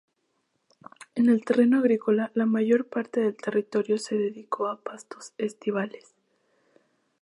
En el terreno agrícola, la mayor parte del territorio se dedicó a pastos estivales.